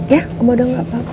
ya oma udah nggak papa